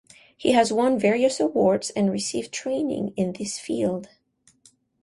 He has won various awards and received training in this field.